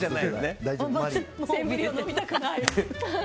センブリを飲みたくない。